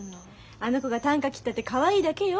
あの子がたんか切ったってかわいいだけよ。